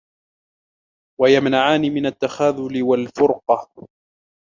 وَيَمْنَعَانِ مِنْ التَّخَاذُلِ وَالْفُرْقَةِ